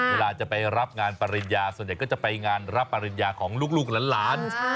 เวลาจะไปรับงานปริญญาส่วนใหญ่ก็จะไปงานรับปริญญาของลูกหลาน